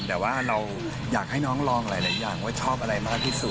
แต่ว่าเราอยากให้น้องลองหลายอย่างว่าชอบอะไรมากที่สุด